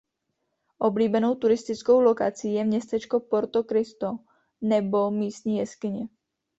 Oblíbenou turistickou lokací je městečko Porto Cristo nebo místní jeskyně.